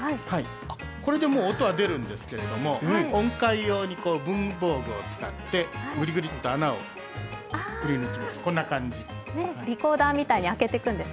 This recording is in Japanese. これでももう音は出るんですけど、音階用に文房具を使ってぐりぐりっと穴を開けます。